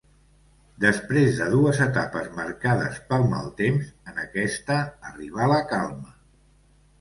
Després de dues etapes marcades pel mal temps en aquesta arribà la calma.